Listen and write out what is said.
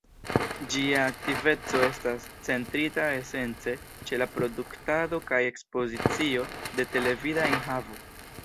Ĝia aktiveco estas centrita esence ĉe la produktado kaj ekspozicio de televida enhavo.